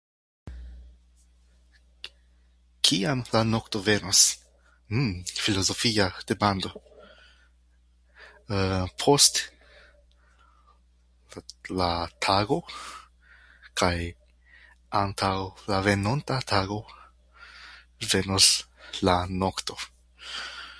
Ki- Kiam la nokto venos? Hm... filozofia demando... Post l- la tago kaj antaŭ la venonta tago venos la nokto.